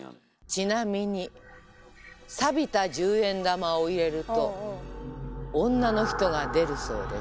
ちなみにびた十円玉を入れると女の人が出るそうです。